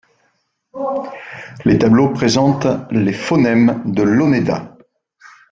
Les tableaux présentent les phonèmes de l’oneida.